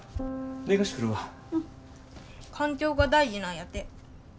環境が大事なんやて。